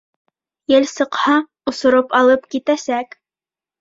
— Ел сыҡһа, осороп алып китәсәк.